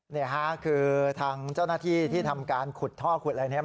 นี่ค่ะคือทางเจ้าหน้าที่ที่ทำการขุดท่อขุดอะไรเนี่ย